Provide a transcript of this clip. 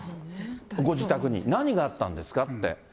ご自宅に、何があったんですかって。